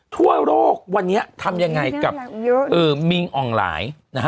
ทั่วโลกวันนี้ทำยังไงกับมิงอ่องหลาย